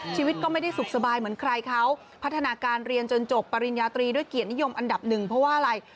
ชีวิตก็ไม่ได้สุขสบายเหมือนใครเขาพัฒนาการเรียนจนจบปริญญาตรีด้วยเกียรตินิยมอันดับหนึ่งเพราะว่าอะไร